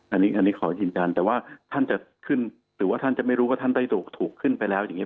อันนี้ขอยืนยันแต่ว่าท่านจะขึ้นหรือว่าท่านจะไม่รู้ว่าท่านได้ถูกขึ้นไปแล้วอย่างนี้